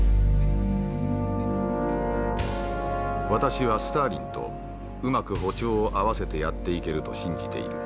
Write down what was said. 「私はスターリンとうまく歩調を合わせてやっていけると信じている。